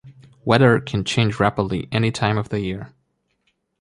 Weather can change rapidly any time of the year.